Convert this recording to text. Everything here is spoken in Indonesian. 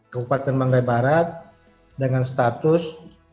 keupatan manggarai barat dengan status